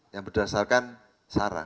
yang berdasarkan sarah